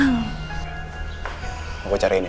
masua yang sekaligus